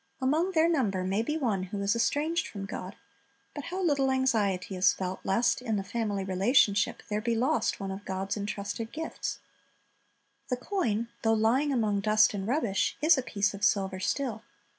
Among their number may be one who is estranged from God; but how little anxiety is felt lest, in the family relationship, there be lost one of God's entrusted gifts. The coin, though lying among dust and rubbish, is a piece of silver still.